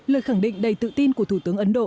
lời khẳng định đầy tự tin của thủ tướng ấn độ